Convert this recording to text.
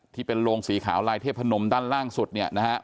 ที่เป็นโรงสีขาวลายเทพนมด้านล่างสุดเนี่ยนะฮะ